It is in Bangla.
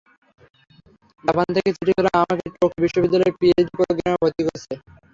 জাপান থেকে চিঠি পেলাম, আমাকে টোকিও বিশ্ববিদ্যালয় পিএইচডি প্রোগ্রামে ভর্তি করেছে।